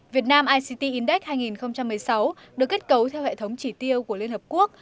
việt nam ict index hai nghìn một mươi sáu được kết cấu theo hệ thống chỉ tiêu của liên hợp quốc